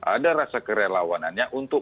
ada rasa kerelawanannya untuk